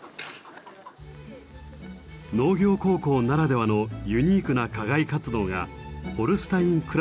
農業高校ならではのユニークな課外活動が「ホルスタインクラブ」です。